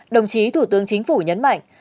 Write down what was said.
đồng chí thủ tướng chính phủ nhấn mạnh